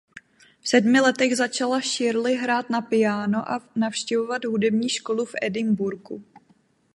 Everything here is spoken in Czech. V sedmi letech začala Shirley hrát na piáno a navštěvovat hudební školu v Edinburghu.